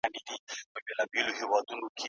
کله چي ټولنه ويښه وي سياسي چارواکي ځواب ويونکي وي.